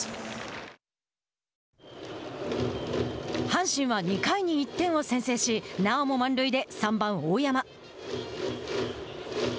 阪神は、２回に１点を先制しなおも満塁で、３番大山。